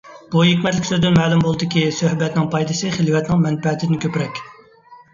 بۇ ھېكمەتلىك سۆزدىن مەلۇم بولىدۇكى، سۆھبەتنىڭ پايدىسى خىلۋەتنىڭ مەنپەئىتىدىن كۆپرەك.